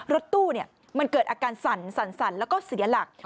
รถตู้มันเกิดอาการสั่นแล้วก็เสียหลัก